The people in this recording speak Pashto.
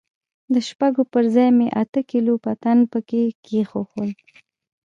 د شپږو پر ځاى مې اته کيلو پټن پکښې کښېښوول.